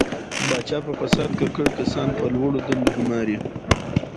پاچا په فساد ککړ کسان په لوړو دندو ګماري.